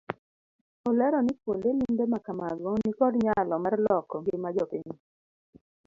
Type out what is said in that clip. Olero ni kuonde limbe makamago nikod nyalo mar loko ngima jopiny.